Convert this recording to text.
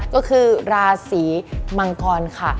ก็คือราศีมังกรค่ะ